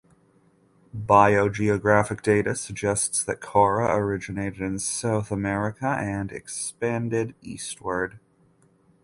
Biogeographic data suggests that "Cora" originated in South America and expanded eastward.